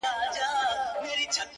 زه به د غم تخم کرم ژوندی به یمه؛